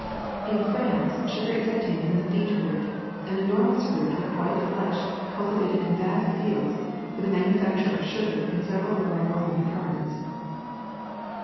In France sugar is obtained from the beet root, an enormous root with white flesh, cultivated in vast fields for the manufacture of sugar in several of our northern departments.